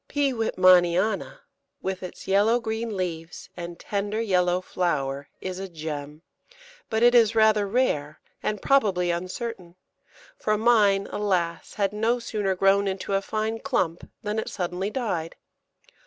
P. Wittmanniana, with its yellow green leaves and tender yellow flower, is a gem; but it is rather rare, and probably uncertain, for mine, alas! had no sooner grown into a fine clump than it suddenly died.